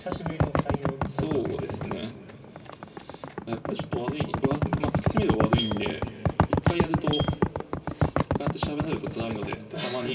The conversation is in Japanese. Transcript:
やっぱりちょっと突き詰めれば悪いんで一回やると一回やって調べられるとつらいのでたまに。